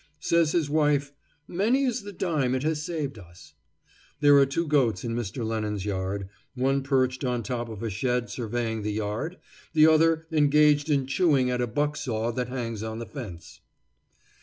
Says his wife, "Many is the dime it has saved us." There are two goats in Mr. Lennon's yard, one perched on top of a shed surveying the yard, the other engaged in chewing at a buck saw that hangs on the fence.